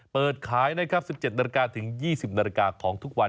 เปิดขายนะครับ๑๗นถึง๒๐นของทุกวัน